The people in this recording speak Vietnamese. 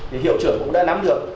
thì hiệu trưởng cũng đã nắm được